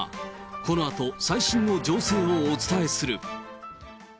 このあと最新の情勢をお伝えする。